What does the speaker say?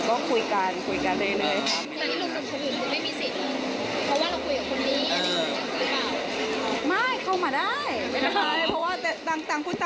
โอกาสพัฒนาเป็นอย่างไรบ้างค่ะจียอนไปทิศทางดี